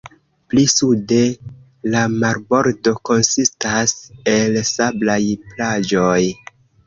Pli sude la marbordo konsistas el sablaj plaĝoj.